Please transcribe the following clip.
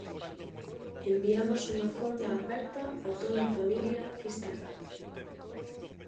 Enviamos unha fonda aperta a toda a familia fisterrá.